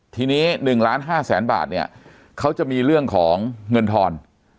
ทีนี้๑ล้าน๕แสนบาทเนี่ยเขาจะมีเรื่องของเงินทอน